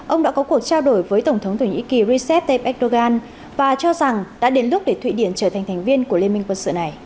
ông đã có cuộc trao đổi với tổng thống thổ nhĩ kỳ recep tayyip erdogan và cho rằng đã đến lúc để thụy điển trở thành thành viên của liên minh quân sự này